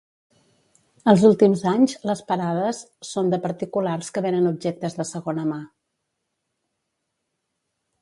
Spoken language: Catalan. Els últims anys, les parades són de particulars que venen objectes de segona mà.